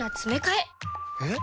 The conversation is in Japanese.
えっ？